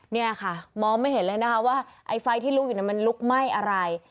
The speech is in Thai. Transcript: เนี่ยค่ะมองไม่เห็นเลยนะคะว่าไอ้ไฟที่ลุกอยู่นั้นมันลุกไหม้อะไร